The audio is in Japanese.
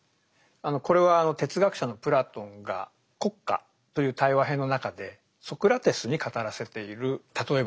これは哲学者のプラトンが「国家」という対話篇の中でソクラテスに語らせている例え話ですね。